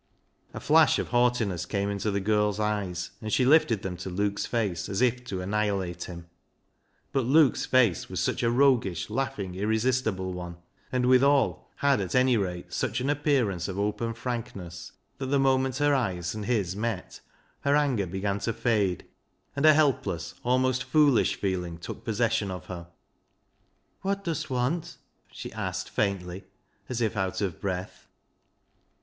A flash of haughtiness came into the girl's eyes, and she lifted them to Luke's face as if to annihilate him. But Luke's face was such a roguish, laughing, irresistible one, and withal had at any rate such an appearance of open frankness, that the 68 BECKSIDE LIGHTS moment her eyes and his met, her anger began to fade, and a helpless, almost foolish feeling took possession of her. " Wot dust want ?" she asked faintly, as if out of breath.